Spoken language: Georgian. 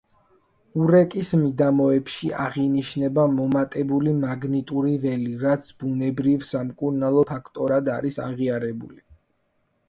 ურეკის მიდამოებში აღინიშნება მომატებული მაგნიტური ველი, რაც ბუნებრივ სამკურნალო ფაქტორად არის აღიარებული.